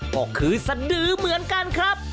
ก็คือสดือเหมือนกันครับ